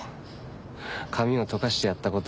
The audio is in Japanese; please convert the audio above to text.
髪をとかしてやったこと。